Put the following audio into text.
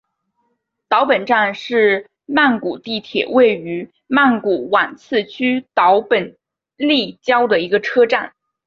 岛本站是曼谷地铁位于曼谷挽赐区岛本立交的一个车站。